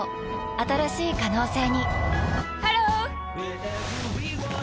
新しい可能性にハロー！